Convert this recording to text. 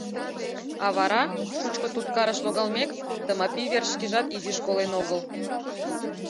А вара, шучко туткарыш логалмек, Тымапи верч шкежат изиш колен огыл.